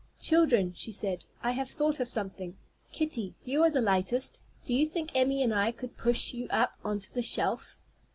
"Children," she said, "I have thought of something. Kitty, you are the lightest. Do you think Emmy and I could push you up on to the shelf?"